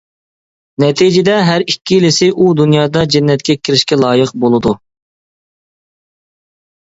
نەتىجىدە ھەر ئىككىلىسى ئۇ دۇنيادا جەننەتكە كىرىشكە لايىق بولىدۇ.